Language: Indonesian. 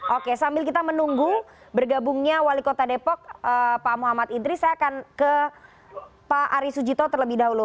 oke sambil kita menunggu bergabungnya wali kota depok pak muhammad idris saya akan ke pak ari sujito terlebih dahulu